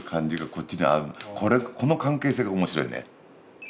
この関係性が面白いね。